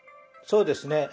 そうですね。